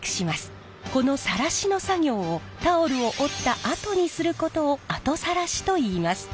このさらしの作業をタオルを織ったあとにすることを後さらしといいます。